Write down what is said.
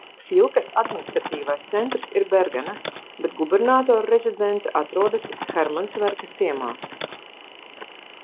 Filkes administratīvais centrs ir Bergena, bet gubernatora rezidence atrodas Hermansverkas ciemā.